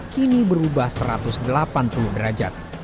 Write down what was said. kini berubah satu ratus delapan puluh derajat